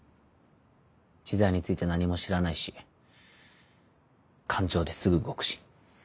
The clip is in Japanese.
知財について何も知らないし感情ですぐ動くし。